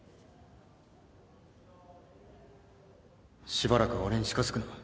しばらく俺に近づくな